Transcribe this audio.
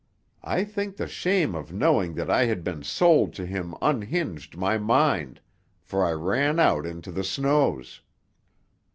I think the shame of knowing that I had been sold to him unhinged my mind, for I ran out into the snows.